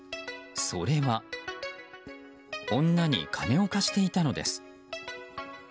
それは女に金を貸していたのです。